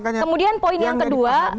kemudian poin yang kedua